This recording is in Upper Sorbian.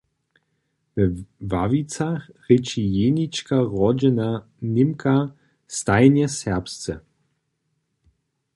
We Wawicach rěči jenička rodźena Němka stajnje serbsce.